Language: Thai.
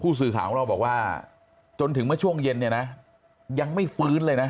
สื่อข่าวของเราบอกว่าจนถึงเมื่อช่วงเย็นเนี่ยนะยังไม่ฟื้นเลยนะ